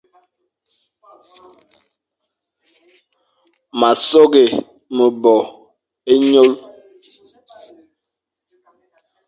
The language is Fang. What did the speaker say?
Ma sôghé mebor e nyôl,